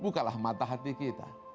bukalah mata hati kita